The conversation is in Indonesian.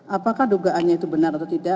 apakah dugaannya itu benar atau tidak